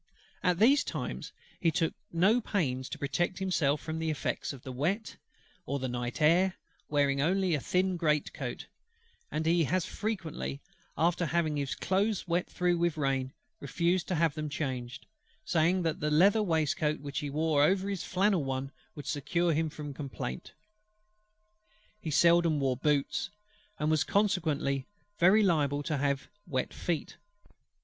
At these times he took no pains to protect himself from the effects of wet, or the night air; wearing only a thin great coat: and he has frequently, after having his clothes wet through with rain, refused to have them changed, saying that the leather waistcoat which he wore over his flannel one would secure him from complaint. He seldom wore boots, and was consequently very liable to have his feet wet.